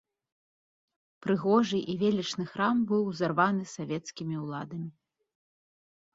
Прыгожы і велічны храм быў узарваны савецкімі ўладамі.